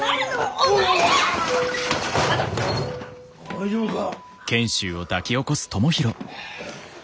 大丈夫か？